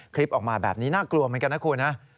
คลิปออกมาแบบนี้น่ากลัวเหมือนกันนะคุณนะ